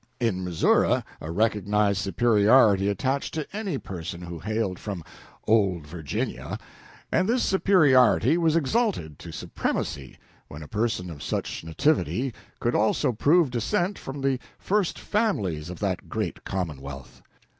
In Missouri a recognized superiority attached to any person who hailed from Old Virginia; and this superiority was exalted to supremacy when a person of such nativity could also prove descent from the First Families of that great commonwealth.